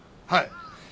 はい。